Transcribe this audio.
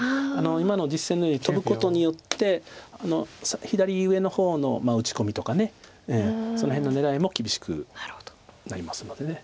今の実戦のようにトブことによって左上の方の打ち込みとかその辺の狙いも厳しくなりますので。